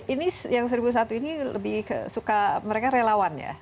ini yang seribu satu ini lebih suka mereka relawan ya